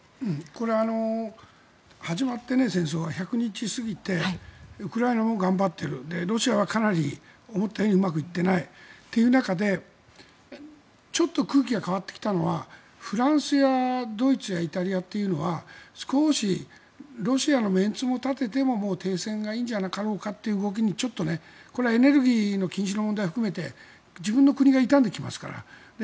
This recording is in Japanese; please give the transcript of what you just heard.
これ、戦争が始まって１００日過ぎてウクライナも頑張っているロシアはかなり思ったようにうまくいっていないという中でちょっと空気が変わってきたのがフランスやドイツやイタリアというのは少しロシアのメンツを立てても停戦がいいんじゃなかろうかという動きにねエネルギーの禁止の問題も含めて自分の国が痛んできますから。